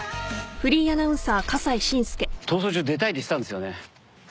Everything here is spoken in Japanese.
『逃走中』出たいって言ってたんですよね。